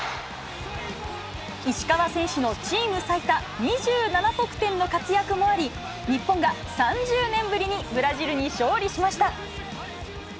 石川選手のチーム最多、２７得点の活躍もあり、日本が３０年ぶりにブラジルに勝利しま